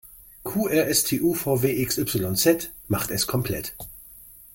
Q-R-S-T-U-V-W-X-Y-Z macht es komplett!